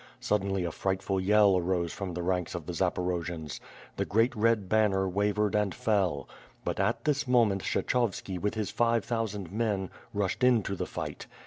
Suddenly a frightful yell arose from the ranks of the Zaporojians. The great red banner wavered and fell. But at this moment Kshechovski with his iive thousand men, rushed into the fight.